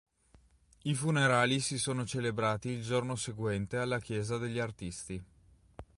I funerali si sono celebrati il giorno seguente alla chiesa degli Artisti.